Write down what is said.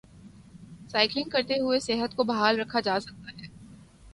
cycling کرتے ہوئے صحت کو بحال رکھا جا سکتا ہے